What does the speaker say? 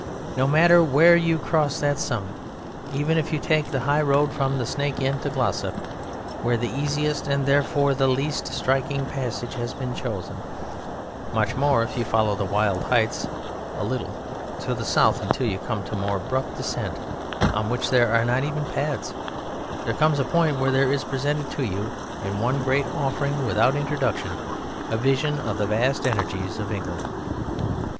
No matter where you cross that summit, even if you take the high road from the Snake Inn to Glossop, where the easiest, and therefore the least striking, passage has been chosen, much more if you follow the wild heights a little to the south until you come to a more abrupt descent on which there are not even paths, there comes a point where there is presented to you in one great offering, without introduction, a vision of the vast energies of England.